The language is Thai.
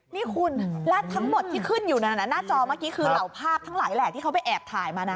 นี่คุณและทั้งหมดที่ขึ้นอยู่หน้าจอเมื่อกี้คือเหล่าภาพทั้งหลายแหละที่เขาไปแอบถ่ายมานะ